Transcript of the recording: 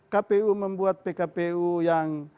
kpu membuat pkpu yang